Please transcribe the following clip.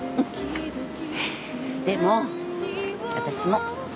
でも私も。